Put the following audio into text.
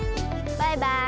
バイバイ。